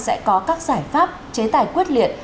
sẽ có các giải pháp chế tài quyết liệt